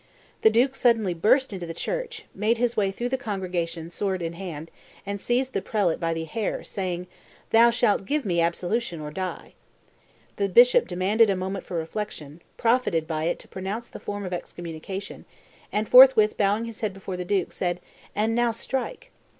The duke suddenly burst into the church, made his way through the congregation, sword in hand, and seized the prelate by the hair, saying, "Thou shalt give me absolution or die." The bishop demanded a moment for reflection, profited by it to pronounce the form of excommunication, and forthwith bowing his head before the duke, said, "And now strike!"